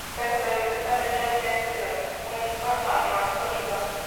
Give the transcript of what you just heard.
Está completamente ausente de la cuenca amazónica.